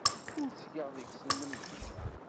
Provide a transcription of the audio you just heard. Ur ttgeɣ deg-sen lemzeyya.